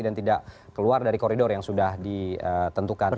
dan tidak keluar dari koridor yang sudah ditentukan